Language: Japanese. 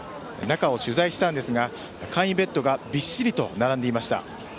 中を取材したんですが簡易ベッドがびっしりと並んでいました。